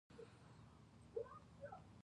پښتو زموږ شناخت دی او شناخت دې نه هېرېږي.